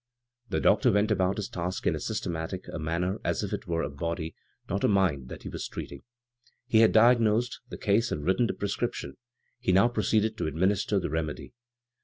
Tlie doctor went about his task in as sys : a manner as if it were a body, not a i6o b, Google CROSS CURRENTS mind, that he was treating. He had diag nosed the case and written the prescriptioa ; he now proceeded to administer the remedy.